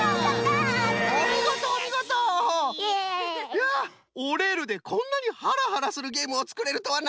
いや「おれる」でこんなにハラハラするゲームをつくれるとはな。